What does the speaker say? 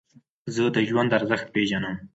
زه د ژوند ارزښت پېژنم.